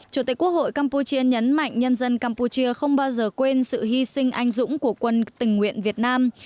chủ tịch quốc hội campuchia nhấn mạnh nhân dân campuchia không bao giờ quên sự hy sinh anh dũng của quân tình nguyện việt nam